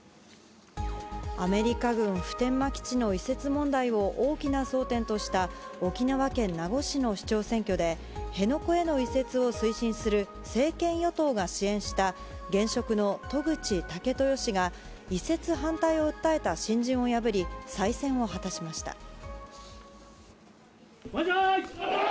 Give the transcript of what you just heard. アメリカ軍普天間基地の移設問題を大きな争点とした沖縄県名護市の市長選挙で辺野古への移設を推進する政権与党が支援した現職の渡具知武豊氏が移設反対を訴えた新人を破り再選を果たしました。